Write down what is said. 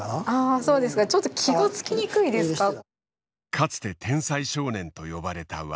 かつて天才少年と呼ばれた渡辺。